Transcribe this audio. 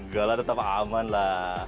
gak lah tetap aman lah